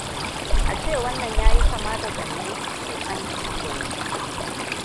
A ce wannan yayi kama da gwanjo to an cuci gwanjo.